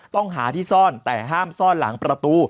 ต้องหาที่ซ่อนแต่ห้ามซ่อนหลังประตู